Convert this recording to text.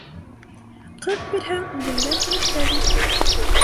Ҡыҙ бирһәң, үҙеңдән түбәнгә бир.